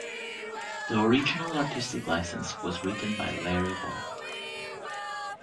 The original Artistic License was written by Larry Wall.